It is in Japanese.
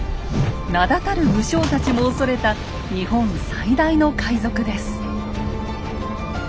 名だたる武将たちも恐れた日本最大の海賊です。